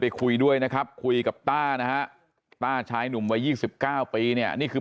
คุยด้วยนะครับคุยกับต้านะฮะต้าชายหนุ่มวัย๒๙ปีเนี่ยนี่คือ